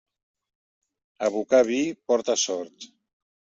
Abocar vi porta sort.